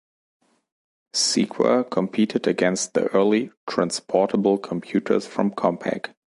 Seequa competed against the early "transportable" computers from Compaq.